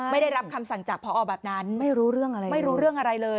ได้รับคำสั่งจากพอแบบนั้นไม่รู้เรื่องอะไรไม่รู้เรื่องอะไรเลย